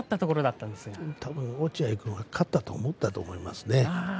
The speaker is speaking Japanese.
たぶん落合君は勝ったと思ったと思いますね。